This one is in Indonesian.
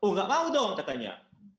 oh nggak mau dong katanya